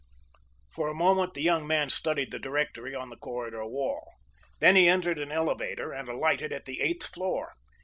For a moment the young man studied the directory on the corridor wall. Then he entered an elevator and alighted at the eighth floor.